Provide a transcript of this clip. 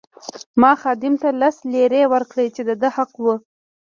ما خادم ته لس لیرې ورکړې چې د ده حق وو.